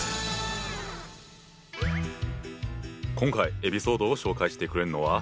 今回エピソードを紹介してくれるのは。